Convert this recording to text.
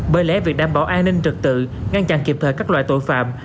bởi lẽ việc đảm bảo an ninh trật tự ngăn chặn kịp thời các loại tội phạm